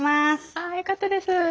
あよかったです。